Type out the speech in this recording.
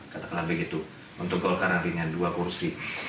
kata kelabik itu untuk gol karantinian dua kursi